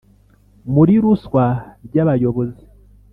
Muri ruswa by abayobozi